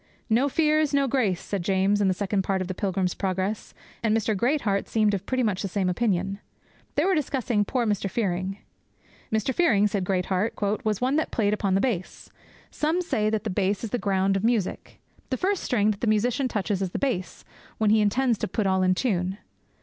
'No fears, no grace!' said James, in the second part of the Pilgrim's Progress, and Mr. Greatheart seemed of pretty much the same opinion. They were discussing poor Mr. Fearing. 'Mr. Fearing,' said Greatheart, 'was one that played upon the bass. Some say that the bass is the ground of music. The first string that the musician touches is the bass, when he intends to put all in tune.